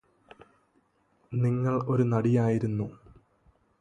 നിങ്ങള് ഒരു നടിയായിരുന്നു